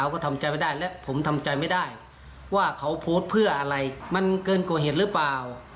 เกินกว่าเหตุหรือเปล่า